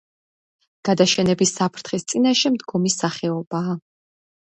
გადაშენების საფრთხის წინაშე მდგომი სახეობაა.